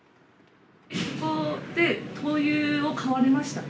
ここで灯油を買われましたか？